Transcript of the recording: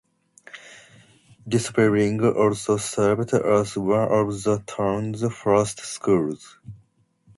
This building also served as one of the town's first schools.